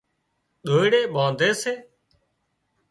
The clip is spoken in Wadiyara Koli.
ۮوئيڙِي ٻانڌي سي